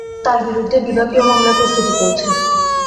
তাঁর বিরুদ্ধে বিভাগীয় মামলার প্রস্তুতি চলছে।